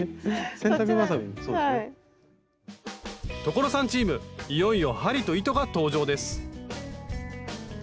所さんチームいよいよ針と糸が登場です